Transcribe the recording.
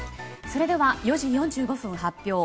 それでは４時４５分発表